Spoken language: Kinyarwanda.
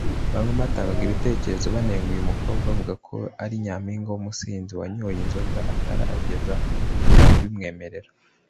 Bamwe batangaga ibitekerezo banenga uyu mukobwa bavuga ko ari nyampinga w’umusinzi wanyoye inzoga atarageza ku myaka ibimwemerera